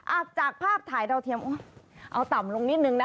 จากภาพถ่ายดาวเทียมโอ้ยเอาต่ำลงนิดนึงนะ